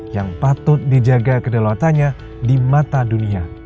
yang patut dijaga kedaulatannya di mata dunia